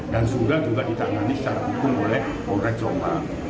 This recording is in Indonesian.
dan sudah juga ditangani secara hukum oleh ore jombang